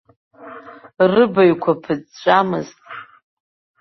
Рыбаҩқәа ԥыҵәҵәамызт.